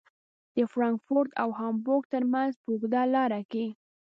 د فرانکفورت او هامبورګ ترمنځ په اوږده لاره کې.